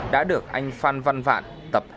đã được anh phan văn vạn tập hành cho các bạn